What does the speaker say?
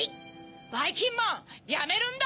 ばいきんまんやめるんだ！